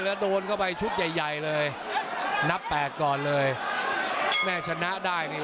แล้วโดนเข้าไปชุดใหญ่ใหญ่เลยนับแปดก่อนเลยแม่ชนะได้นี่